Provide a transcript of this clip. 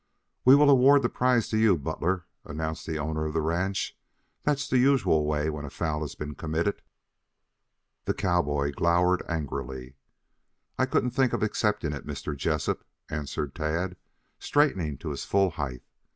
"We will award the prize to you, Butler," announced the owner of the ranch. "That's the usual way when a foul has been committed." The cowboy glowered angrily. "I couldn't think of accepting it, Mr. Jessup," answered Tad, straightening to his full height.